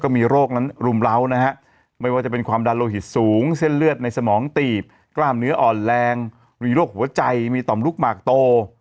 มีเนื้ออ่อนแรงมีโรคหัวใจมีต่อมรุกหมากโต